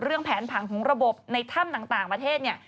เรื่องแผนผังของระบบในถ้ำต่างประเทศ